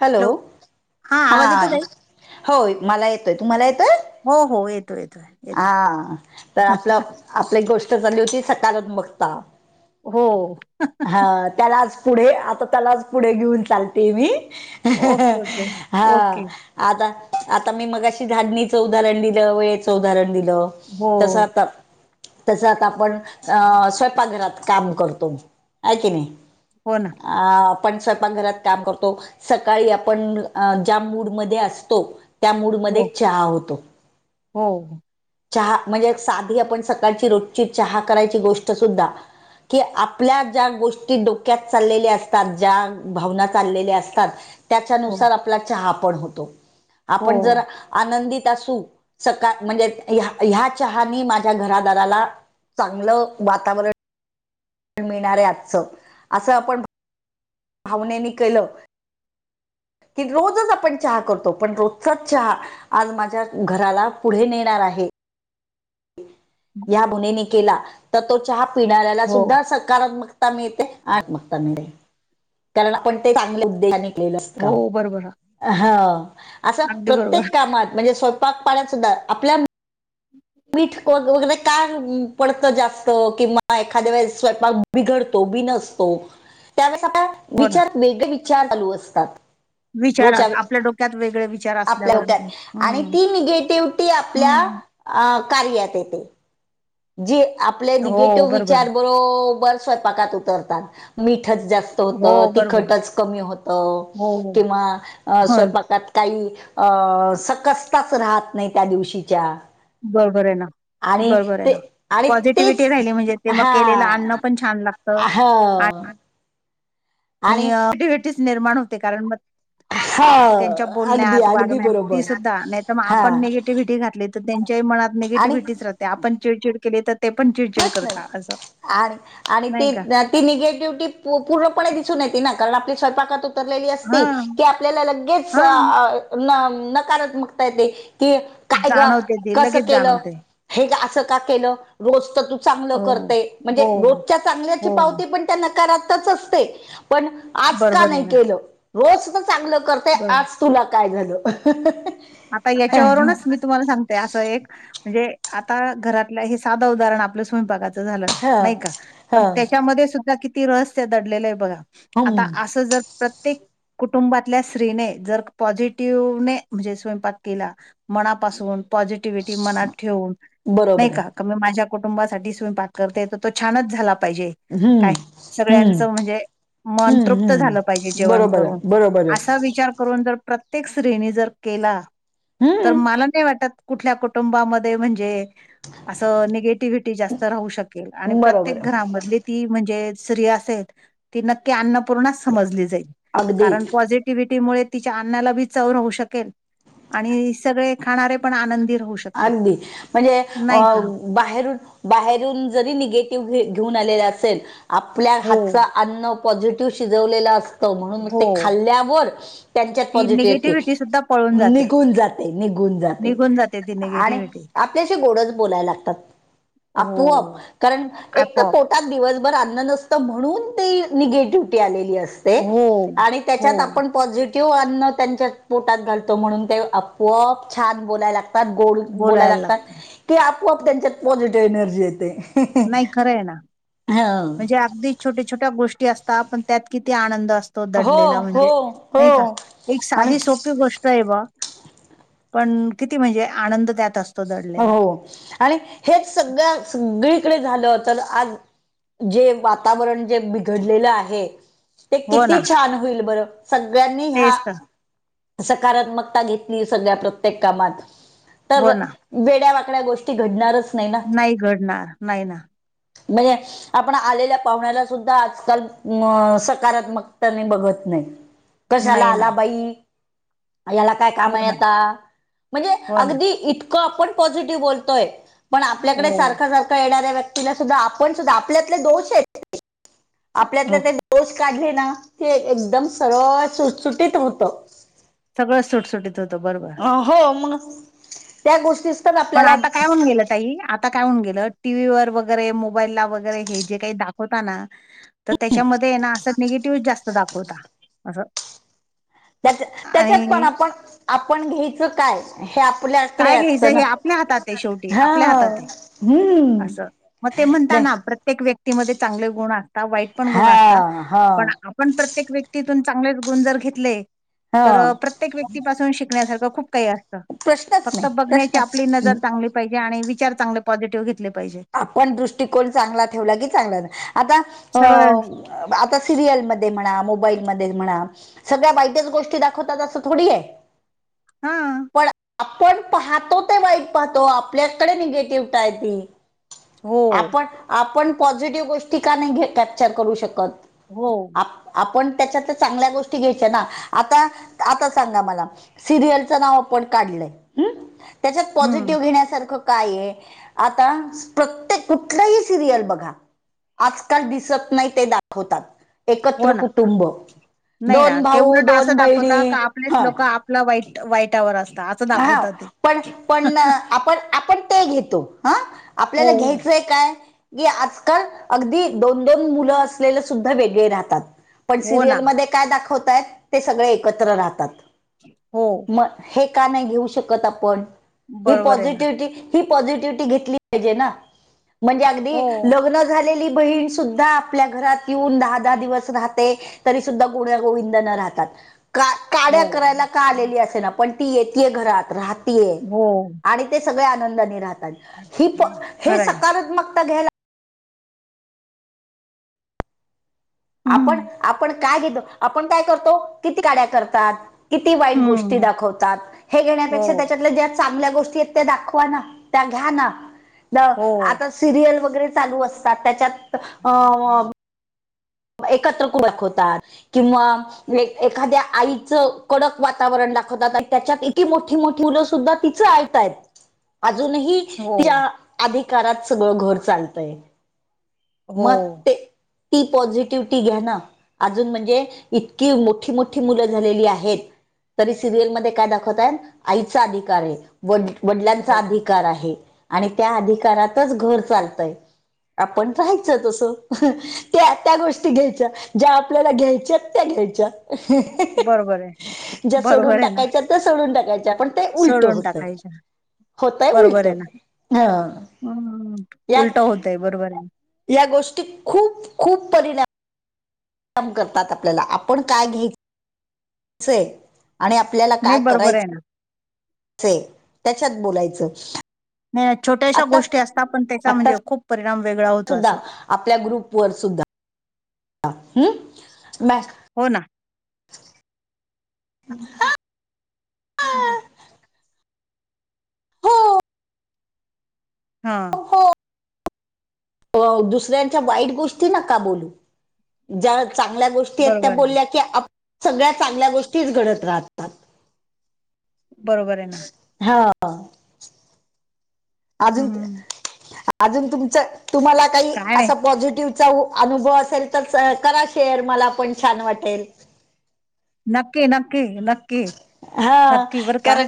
Hello. हा आवाज येतो ताई होय मला येतोय, तुम्हांला येतोय? हो -हो येतोय -येतोय. हा तर आपल आपली गोष्ट चाली होती सकारात्मकता. हो. हा हा हा त्यालाच पुढे आता त्यालाच पुढे घेऊन चालते मी. ओके ओके हा. ओके आता- आता मी मगाशी झाडणीच उदाहरण दिल वेळेच उदाहरण दिल. हो तस आता तस आता आपण अ स्वयंपाकघरात काम करतो आहे की नाही. हो ना आ आपण स्वयंपाकघरात काम करतो. सकाळी आपण ज्या मूडमध्ये असतो. त्या हो मूडमध्ये चहा होतो. हो चहा म्हणजे साधी आपण सकाळची रोजची चहा करायची गोष्ट सुद्धा कि आपल्या ज्या गोष्टी डोक्यात चाललेल्या असतात ज्या भावना चाललेल्या असतात. हो त्याच्यानुसार आपला चहा पण होतो हो आपण जर आनंदित असू. सकाळ म्हणजे ह ह्या चहानी माझ्या घरादाराला चांगल वातावरण मिळणारे आजच अस आपण भावनेनी केल की रोजच आपण चहा करतो, पण रोजचाच चहा आज माझ्या घराला पुढे नेणार आहे. या भुणेने केला तर, तो चहा पिणाऱ्याला हो सुद्धा सकारात्मक मिळते. आत्मकता मिळते. हो बरोबर [unintelligible] अस अगदी बरोबर प्रत्येक कामात म्हणजे स्व [unintelligible] पाण्यात सुद्धा आपल्या [inaudible] मीठ वगैरे का पडत जास्त किंवा एखाद्या वेळेस स्वय बिघडतो, बिनसतो त्यावेळेस आपल्या हो ना विचार वेगळे विचार चालू असतात. रोज व विचारात आपल्या डोक्यात वेगळे विचार आपल्या असल्यावर लोकत आणि हम्म ती निगेटिव्हटी आपल्या हम्म कार्यात येते. जी आपले हो निगेटिव्ह बरोबर विचार बरोबर स्वयपाकात उतरतात. मीठच जास्त होत हो बरोबर तिखटच कमी होत हो किंवा ह स्वयंपाकात काही अ सकसताच राहत नाही, त्या दिवशीच्या बरोबर आहे ना आणि बरोबर ते आहे. आणि पॉझिटिव्हटी तेच राहिली म्हणजे ते मग केलेलं आणणं पण छान लागत हा आणि म िबटीस निर्माण होते कारण मग, हा त्यांच्या बोलण्यात वागण्यात ती सुद्धा नाही तर मग हा आपण निगेटिव्हिटी घातली तर त्यांच्याही मनात आणि निगेट आपण चिडचिड केली तर ते पण चिड होत आणि -आणि [unintelligible] नाही का ती निगेटिव्हटी पूर्णपणे दिसून येते ना कारण आपली स्वयंपाकातून तरली अस हा की आपल्याला लगेच हा नकारमकता येते. कि काय ग जाणवते ते कस लगेच केल. जाणवते हे अस का केल रोज तर तू चांगल हो करते म्हणजे हो रोजच्या चांगल्याची हो हो. पावती पण नकारच असते पण आज का बरोबर आहे नाही ना केल रोज चांगल कर ते बरोबर आज तुला काय झाल. हाहाहाहाहा आता याच्यावरूनच मी तुम्हाला सांगते अस एक म्हणजे आता घरातल हे साध उदाहरण आपल्या स्वयंपाकच झाल ह नाही का ह पण त्याच्यामध्ये सुद्धा किती रहस्य दडलेल आहे बघा. हम् आता अस जर, प्रत्येक कुटुंबातल्या स्त्रीने जर पॉझिटिव्हने म्हणजे, स्वयंपाक केला मनापासून पॉझिटिव्हटी मनात ठेवून नाही बरोबर आहे का, क मी माझ्या कुटुंबासाठीच मी पाात करते तर तो छानच झाला पाहिजे. हम्म काय हम्म सगळ्यांचं म्हणजे मन हम्म तृप्त झालं पाहिजे हम्म जेवण बरोबर आहे करून. बरोबर असा आहे विचार करून जर प्रत्येक स्त्रीनी जर केला हूं! तर मला नाही वाटत कुठल्या कुटुंबा मध्ये, म्हणजे अस निगेटिव्हटी जास त राहू शकेल आणि बरोबर प्रत्येक आहे घरामधली ती म्हणजे स्त्री असे त. ती नक्की अन्नपूर्णाच समजली जाईल, अगदी कारण तो आज एक एक्टिव्हटीमुळे तिच्या अन्ना ला बी चव राहू शकेल आणि सगळे खाणारे पण आनंदीर होऊ शक अगदी म्हणजे अ! बाहेरून, बाहेरून जरी निगेटिव्ह घे घेऊन आलेला असेल. आपल्या हो. हातचं अन्न पॉझिटिव्ह शिजवलेल अस त म्हणून म हो ते खाल्ल्यावर त्यांच्यात ती पॉझिटिव्ह येते. निगेटिव्हिटी सुद्धा पळून जाते. निघून जाते, निघून जात. निघून जाते दीने. आणि आपल्याशी गोडच बोलायला लागतात, आपूआप हो कारण एक त आपोआप. पोटात दिवसभर अन्न नसत म्हणून ते निगेटिव्हटी आलेली अस ते हो, आणि हो त्याच्यात आप पॉजी टिव्ह अन्न त्यांच्या पोटात घालतो म्हणून ते आपोआप छान बोलायला लाग तात गोड बोलायला लागतात, की आपोआप त्यांच्यात पॉझिटिव्ह एनर्जी येते. नाही खरं आहे ना, हं. म्हणजे अगदी छोट्या छोट्या गोष्टी असतात पण त्यात किती आनंद अस तो हो दडलेला म्हणजे, हो नाही हो का एक साधी आणि सोपी गोष ष्ट हे बॉ पण किती म्हणजे आनंद त्यात अस हो हो आणि हेच सगळ्या सगळीकडे झालं तर आज. जे वातावरण जे बिघडलेलं आहे. ते हो ना किती छान होईल बरं सगळ्यांनी ह्या. तेच तर. सकारात्मकता घेतली सगळ्या प्रत्येक कामात, तर हो ना. वेड्या वाकड्या गोष ष्टी घडणारच नाही ना, घडणार. नाही ना. म यां आपण आलेल्या पाहुण्याला सुद्धा आजकाल अ सकारात्मकताने बघत नाही. कशाला नाही ना. आला बाई याला काय काम हो ये ना. आता, म्हणजे हो ना. अगदी इतकं आपण पॉझिटिव्ह बोलतोय. पण आपल्याकडे हो, सारखा, सारखा येणाऱ्या व्यक्तीला सुद्धा आपण सुद्धा आपल्यातले दोष आहेत ते. आपल्यातले हो ते दोष काढले ना, ते एकदम सरळ सुटसुटीत होतं. सगळं सुटसुटीत होतं बरोबर. हो मंग त्या गोष्टी तर आपल्याला हं गेलं ताई आप आता काय होऊन गेलं टीव्ही वर वगैरे, मोबाईल ला वगैरे, हे जे काही दाखवताना. त त्याच्यामध्ये ना असं निगेटिव्हच जास्त दाखवता. असं त्याच्या-त्याच्यात पण आणि आपण आपण घ्यायचं काय? हे आपल्या आपले काय असत घ्यायचं ना हे आपल्या हातात आहे शेवटी हा हूं. म ते म्हणता ना प्रत्येक व्यक्तीमध्ये चांगले गुण असता, वाईट पण गुण असता हा हा पण आप आपण प्रत्येक व्यक्तीतून चांगलेच गुण जर घेतले हा तर प्र त्येक व्यक्तीपासून शिकण्यासारखं खूप काही असतं. [unintelligible] फक्त बघण्याची आपली प्रश्नच नजर चांगली पाहिजे, आणि विचार चांगले पॉझिटिव्ह घेतले. पाहिजे आपण दृष्टिकोन चांगला ठेवला की चांगला, आता अ. सगळं आता सिरियलमध्ये म्हणा मोबाईलमध्ये म्हणा सगळ्या वाईटच गोष्टी दाखवतात असं थोडी ये. [inaudible] हा पण आपण पाहतो ते वाईट पाहतो आपल्याकडे निगेटिव्हताय ती हो आपण आपण पॉझिटिव्ह गोष्टी का नाही घे कॅप्चर करू शकत. हो. आप आपण त्याच्यात चांगल्या गोष्टी घ्यायच्या ना आता आता सांगा मला सिरियलचं नाव आपण काढलंय हूं त्याच्यात हम्म पॉझिटिव्ह घेण्यासारखं काय ये आता प्रत्येक कुठलंही सिरियल बघा आजकाल दिसत नाही ते दाखवतात. हो एकत्र ना कुटुंब नाही ना दोन ते भाऊ दोन बहिणी ह ला वाईट वाईटवर असतात. आहा पण पण ना आपण आपण ते घेतो हा हो आपल्याला घ्यायचंय काय की आजकाल अगदी दोन दोन मुलं असलेले सुद्धा वेगळे राहतात. पण हो ना सिरियलमध्ये काय दाखवतायेत ते सगळे एकत्र राहतात. हो. मग हे का नाही घेऊ शकत आपण ही बरोबर आहे ना पॉझिटिव्हीटी ही पॉझिटिव्हीटी घेतली पाहीजे ना म्हणजे अगदी हो लग्न झालेली बहीण सुद्धा आपल्या घरात येऊन दहा दहा दिवस राहते. तरी सुद्धा गुन्या गोविंदान राहतात का हो काड्या करायला का आलेली असे ना पण ती येतीये घरात राहतीये हो आणि ते सगळे आनंदाने राहतात ही प हे खरंय सकारात्मकता घ्यायला आपण हम्म आपण काय घेतो आपण काय करतो किती काड्या करतात. किती वाईट गोष्टी हम्म दाखवतात हे हो घेण्यापेक्षा त्याच्यातल्या ज्या चांगल्या गोष्टी येत दाखवा ना त्या घ्या ना म हो आता सिरियल वगैरे चालू असतात त्याच्यात अ एकत्रकूडक होतात किंवा एक एखाद्या आईचं कडक वातावरण दाखवतात आणि त्याच्यात इती मोठी मोठी मुलं सुद्धा तिचं ऐक तायेत अजूनही हो त्या अधिकारात सगळं घर चालतय. हो मग ते ती पॉझिटिव्हीटी घ्या ना. अजून म्हणजे इतकी मोठी मोठी मुलं झालेली आहेत. तरी सिरियलमध्ये काय दाखवतायेत आहे आईचा अधिकार आहे वड वडिलांचा हो अधिकार आहे. आणि त्या अधिकारातच घर चालतय आपण राहायचं तसं त्या त्या गोष्टी घ्यायच्या ज्या आपल्याला घ्यायच्या त्या घ्यायच्या बरोबर आहे ज्या सोडून बरोबर आहे ना टाकायच्यायत त्या सोडून टाकायच्या पण ते उलट सोडून होतय टाकायच्या होतय बरोबर उलट ये ना ह होणं होणं या उलट होतय बरोबरये ना. या गोष्टी खूप खूप परिणा णाम करतात आपल्याला आपण काय घ्यायचंय आणि आपल्याला नाही काय बरोबर करायचं आहे ना चय त्याच्यात बोलायचं. म ह्या छोट्याशा आता गोष्टी असता पण त्याचा आता म्हणजे खूप परिणाम वेगळा होत सुद्धा आपल्या ग्रुप वर सुद्धा हूं मॅ हो ना [inaudible] [unintelligible] [inaudible] हा दुसऱ्यांच्या वाईट गोष्टी नका बोलू, ज्या चांगल्या गोष्टी ति आता बरोबर आहे बोल्या की आप, सगळ्या चांगल्या गोष्टी घडत रातात. बरोबर आहे ना. हा अजून, हम्म. अजून तुमच तुम्हाला काही काय नाही असा पॉझिटिव्ह चा अनुभव असेल, तर करा शेअर मला पण छान वाटेल. नक्की, नक्की, नक्की, हा नक्की बरं का! कारण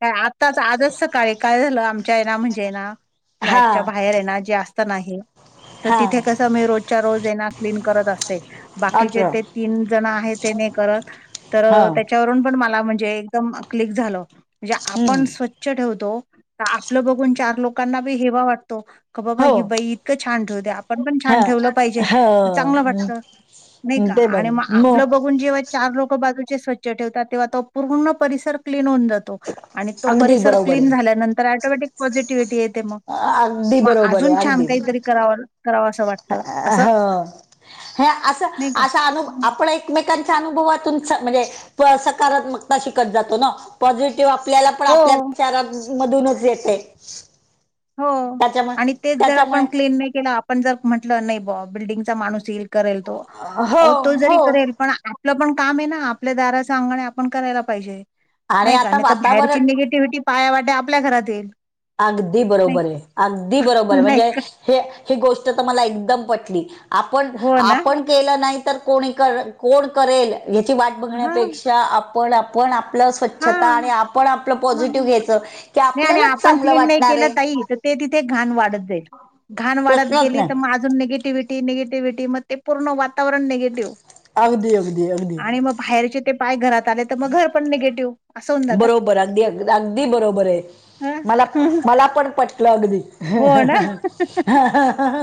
काय, आत्ताच आजच सकाळी काय झालं आमच्या आहे हे ना म्हणजे ना. हा फ्लॅटच्या बाहेर हे ना जे असत ना हे तर हा तिथे कसं मी रोजच्या रोज येना क्लीन करत असते बाकीचे अच्छा ते तीन जणं आहेत तेनी करत तर हा त्याच्यावरून पण मला म्हणजे एकदम क्लिक झालं म्हणजे हम्म आपण स्वछ च्छ ठेवतो तर आपलं बघून चार लोकांना बी हेवा वाटतो क बाबा हो ही बाई इतकं छान ठेवते आपण पण हा छान ठेवलं पाहिजे चांगलं हो वाटतं नाही का ते बघ आणि मग आपलं बघून जेव्हा चार लोक बाजूचे स्वच्छ ठेवतात तेव्हा तो पूर्ण परिसर क्लीन होऊन जातो आणि तो अगदी परिसर बरोबर क्लीन आहे झाल्यानंतर आटोमॅटिक पॉझिटिव्हटी येत ते मग अगदी मग बरोबर अजून आहे छान अगदी काहीतरी कराव करावं असं वाटत असं ह असं नाही का आस अनु हं. आपण एक एकमेकांच्या अनुभवातून म्हणजे सकारात्मकता शिकत जातो ना पॉझिटिव्ह आपल्याला आपण आपल्या हो विचारां मधूनच येते हो त्याच्यामुळे आणि तेच जर त्याच्यामुळे आपण क्लीन नाही केला आपण जर म्हंटलं नाही बुवा बिल्डिंगचा माणूस येईल करेल तो हो अहो तो जरी हो करेल पण आपलं पण काम आहे ना आपल्या दाराचं अंगण आपण करायला पाहिजे आणि नाही का आता नाही तर बाहेरची वातावरण निगेट टिव्हिटी पाया वाटे आपल्या घरात येईल अगदी नाही बरोबर हे अगदी बरोबर हे नाही म्हणजे का हे ही गोष्ट तर मला एकदम पटली आपण हो ना आपण केलं नाही तर कोणी करत कोण करेल याची वाट हा बघण्यापेक्षा आप पण आपण आपल्या स्वच्छता आणि हा आपण आपलं पॉझिटिव्ह घ्यायच की आपल्याला पण क्लिन नाही केल ताई तर ते तिथे घाण वाढत जाईल घाण वाढत प्रश्नच गेली नाही तर म निगेटिव्हिटी निगेटिव्हटी म ते पूर्ण वातावरण निगेटिव्ह अगदी अगदी अगदी आणि मग बाहेरचे ते पाय घरात आले तर मग घर पण निगेटिव्ह असं होऊन जातं बरोबर अगदी अदी अगदी बरोबर आहे हं मला मला पण पटलं अगदी हो ना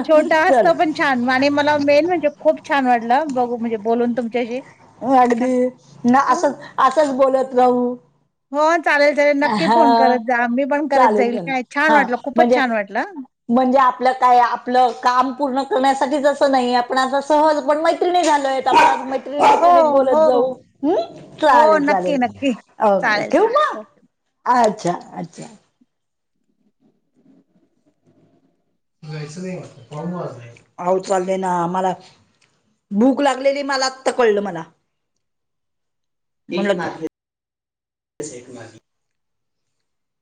छोट चल असतं पण छान आणि मला मेन म्हणजे खूप छान वाटलं बघू म्हणजे बोलून तुमच्याशी हो का अगदी म असंच असंच बोलत राहू हो चालेल चालेल नक्की फोन हा करत जा मी पण करत चालेल जाईल चालेल का छान हा वाटलं खूपच म्हणजे छान वाटलं म्हणजे आपलं काय आपलं काम पूर्ण करण्यासाठीच असं नाही आपण असं सहज पण मैत्रिणी झालोय त हो [unintelligible] [unintelligible] बोलत हो जाऊ हो चालेल नक्की चालेल नक्की अ चालेल ठेवू चालेल मग ओके अच्छा अच्छा जायच नाही नऊ वाजले अहो चालले ना आम्हाला भूक लागलेली मला आत्ता कळलं मला [unintelligible]